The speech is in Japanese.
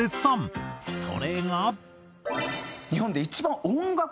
それが。